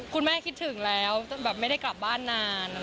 คุณแม่คิดถึงแล้วไม่ได้กลับบ้านนาน